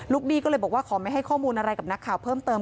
หนี้ก็เลยบอกว่าขอไม่ให้ข้อมูลอะไรกับนักข่าวเพิ่มเติม